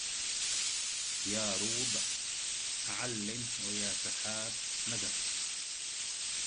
يا روض علم ويا سحاب ندى